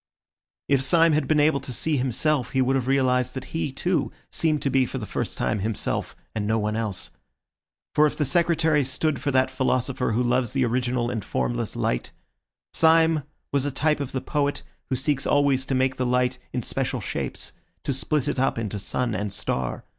If Syme had been able to see himself, he would have realised that he, too, seemed to be for the first time himself and no one else. For if the Secretary stood for that philosopher who loves the original and formless light, Syme was a type of the poet who seeks always to make the light in special shapes, to split it up into sun and star.